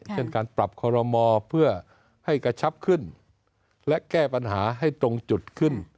เช่นการปรับคอรมอเพื่อให้กระชับขึ้นและแก้ปัญหาให้ตรงจุดขึ้น